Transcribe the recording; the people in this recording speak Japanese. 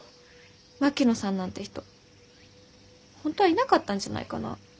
槙野さんなんて人本当はいなかったんじゃないかな？